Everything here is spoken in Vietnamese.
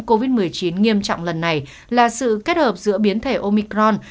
covid một mươi chín nghiêm trọng lần này là sự kết hợp giữa biến thể omicron